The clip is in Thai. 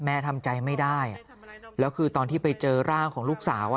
ทำใจไม่ได้แล้วคือตอนที่ไปเจอร่างของลูกสาว